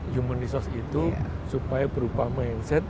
human resource itu supaya berupa mindset